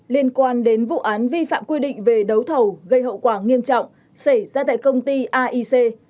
liên quan đến vụ án vi phạm quy định về đấu thầu gây hậu quả nghiêm trọng xảy ra tại công ty aic